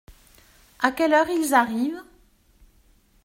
À quelle heure ils arrivent ?